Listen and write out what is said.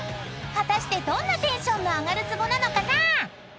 ［果たしてどんなテンションの上がるツボなのかな？］